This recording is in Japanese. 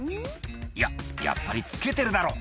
いややっぱりつけてるだろ」